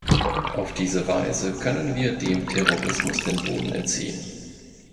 Auf diese Weise können wir dem Terrorismus den Boden entziehen.